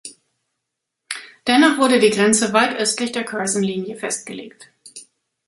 Dennoch wurde die Grenze weit östlich der Curzon-Linie festgelegt.